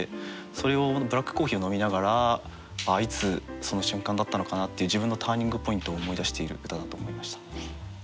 それをブラックコーヒーを飲みながらああいつその瞬間だったのかなっていう自分のターニングポイントを思い出している歌だと思いました。